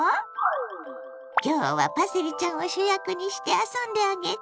今日はパセリちゃんを主役にして遊んであげて！